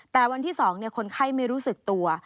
แต่วันที่๒คนไข้ไม่รู้สึกตัว